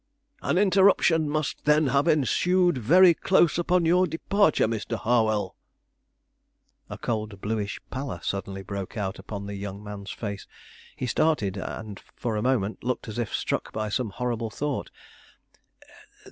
"An interruption must then have ensued very close upon your departure, Mr. Harwell." A cold bluish pallor suddenly broke out upon the young man's face. He started, and for a moment looked as if struck by some horrible thought.